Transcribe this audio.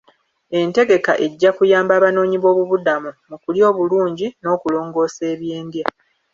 Entegeka ejja kuyamba abanoonyi b'obubuddamu mu kulya obulungi n'okulongoosa eby'endya.